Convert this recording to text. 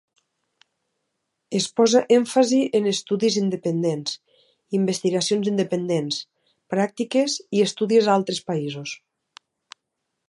Es posa èmfasi en estudis independents, investigacions independents, pràctiques i estudis a altres països.